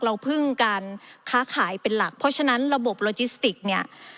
เราพึ่งการค้าขายเป็นหลักเพราะฉะนั้นระบบโลจิสติกเนี่ย